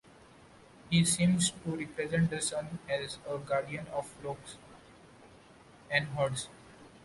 He seems to represent the sun as a guardian of flocks and herds.